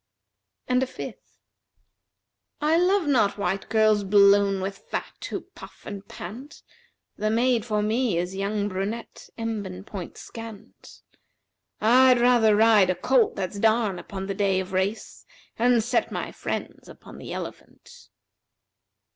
And a fifth, 'I love not white girls blown with fat who puff and pant; * The maid for me is young brunette embonpoint scant. I'd rather ride a colt that's darn upon the day * Of race, and set my friends upon the elephant.'